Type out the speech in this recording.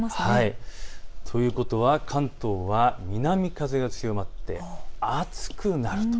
ということは関東は南風が強まって暑くなると。